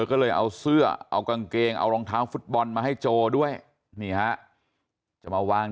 ก็เลยเอาเสื้อเอากางเกงเอารองเท้าฟุตบอลมาให้โจด้วยนี่ฮะจะมาวาง